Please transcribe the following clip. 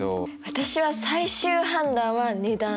私は最終判断は値段。